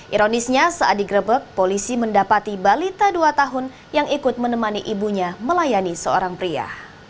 ironisnya saat digrebek polisi mendapati balita dua tahun yang ikut menemani ibunya melayani seorang pria